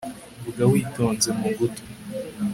vuga witonze mu gutwi